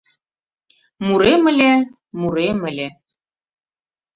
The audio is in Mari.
Мурем ыле, мурем ыле